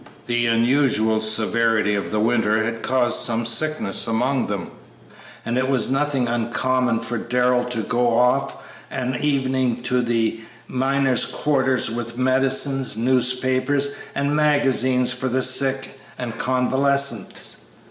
The unusual severity of the winter had caused some sickness among them, and it was nothing uncommon for Darrell to go of an evening to the miners' quarters with medicines, newspapers, and magazines for the sick and convalescent.